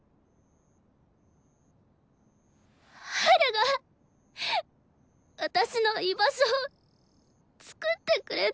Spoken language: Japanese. ハルが私の居場所を作ってくれたんだよ。